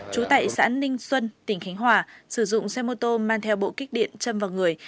trú tại xã ninh xuân tỉnh khánh hòa sử dụng xe mô tô mang theo bộ kích điện châm vào người